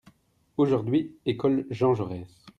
Aujourd'hui Ecole Jean Jaurès.